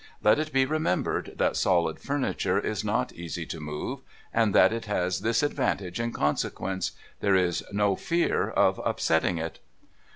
Let it be remembered that solid furniture is not easy to move, and that it has this advantage in consequence — there is no fear of upsetting it.